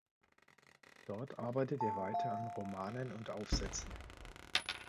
Dort arbeitet er weiter an Romanen und Aufsätzen.